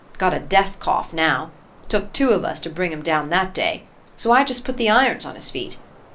Got a death cough now. 'T took two of us to bring him down that day; so I just put the irons on his feet.